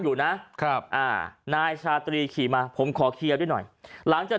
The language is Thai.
อยู่นะครับอ่านายชาตรีขี่มาผมขอเคลียร์ด้วยหน่อยหลังจาก